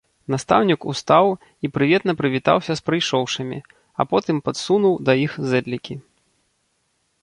Настаўнік устаў і прыветна прывітаўся з прыйшоўшымі, а потым падсунуў да іх зэдлікі.